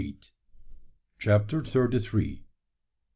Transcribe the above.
CHAPTER THIRTY THREE.